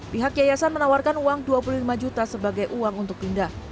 pihak yayasan menawarkan uang dua puluh lima juta sebagai uang untuk pindah